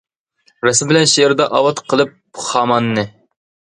رەسىم بىلەن شېئىردا، ئاۋات قىلىپ خاماننى.